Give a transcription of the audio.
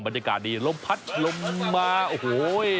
บรรยากาศดีลมพัดลมมาโอ้โห